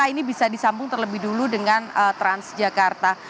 ini bisa disambung terlebih dulu dengan transjakarta